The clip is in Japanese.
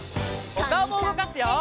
おかおもうごかすよ！